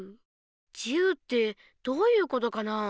自由ってどういうことかなあ？